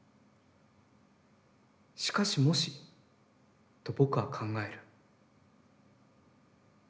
しかし若し、と僕は考える」。